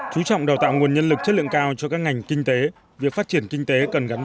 chú trọng đào tạo nguồn nhân lực chất lượng cao cho các ngành kinh tế việc phát triển kinh tế cần gắn